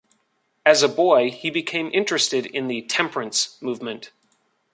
As a boy he became interested in the temperance movement.